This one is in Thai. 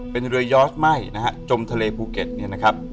เป็นเรือยอสไหม้จมทะเลภูเก็ตนะครับ